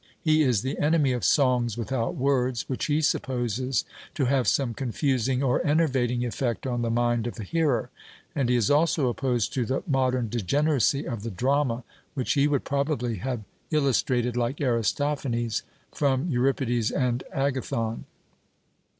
He is the enemy of 'songs without words,' which he supposes to have some confusing or enervating effect on the mind of the hearer; and he is also opposed to the modern degeneracy of the drama, which he would probably have illustrated, like Aristophanes, from Euripides and Agathon.